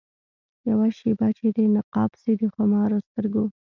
یوه شېبه چي دي نقاب سي د خمارو سترګو